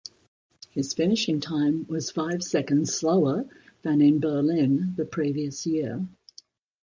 His finishing time was five seconds slower than in Berlin the previous year.